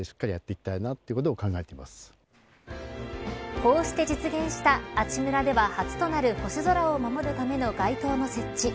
こうして実現した阿智村では初となる星空を守るための街灯の設置。